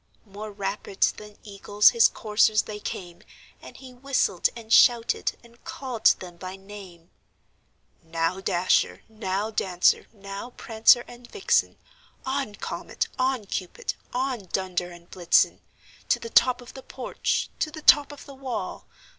More rapid than eagles his coursers they came, And he whistled, and shouted, and called them by name; "Now, Dasher! now, Dancer! now, Prancer and Vixen! On! Comet, on! Cupid, on! Dunder and Blitzen To the top of the porch, to the top of the wall!